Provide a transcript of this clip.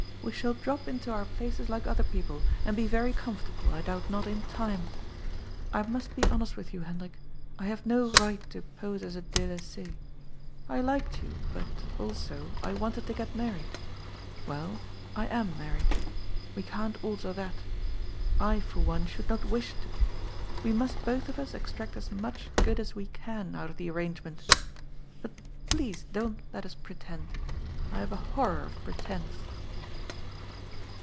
We shaQ drop into our places like other people, and be yery comfortable, I donbt not, in time. I must be honest with you, Hendrik. I haye no right to pose as a dSlaissSe. I liked yon, bnt, also, I wanted to get married. Well, I am married. We can't alter that. I, for one, shonld not wish to. We must both of us extract as much good as we can out of the arrangement. But please don't let us pretend. I haye a horror of pretence."